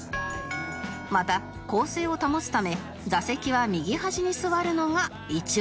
また公正を保つため座席は右端に座るのが一岡ルール